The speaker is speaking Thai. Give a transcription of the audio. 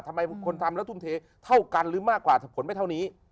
ทำไมคนทำแล้วทุ่มเทเท่ากันหรือมากกว่าผลไม่เท่านี้